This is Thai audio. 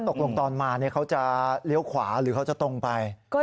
ตกลงตอนมาเขาจะเลี้ยวขวาหรือเขาจะตรงไป